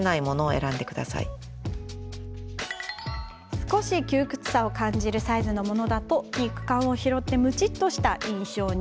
少し窮屈さを感じるサイズのものだと肉感を拾ってむちっとした印象に。